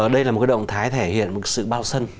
đây là một động thái thể hiện một sự bao sân